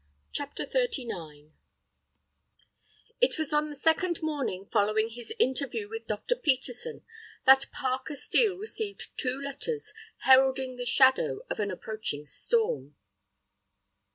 CHAPTER XXXIX It was on the second morning following his interview with Dr. Peterson that Parker Steel received two letters, heralding the shadow of an approaching storm.